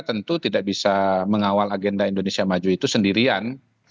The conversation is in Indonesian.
tentu tidak bisa mengawal agenda indonesia maju itu sendirian